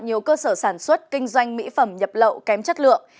nhiều cơ sở sản xuất kinh doanh mỹ phẩm nhập lậu kém chất lượng